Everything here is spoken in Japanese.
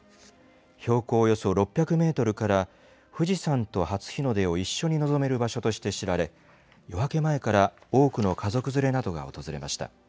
標高およそ６００メートルから富士山と初日の出を一緒に望める場所として知られ、夜明け前から多くの家族連れなどが訪れました。